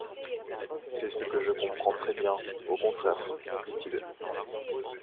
C'est ce que je comprends très bien, au contraire, dit-il.